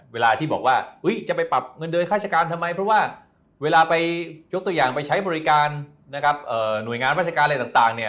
เวลาที่บอกว่าจะไปปรับเงินเดินข้าราชการทำไมเพราะว่าเวลาไปยกตัวอย่างไปใช้บริการนะครับหน่วยงานราชการอะไรต่างเนี่ย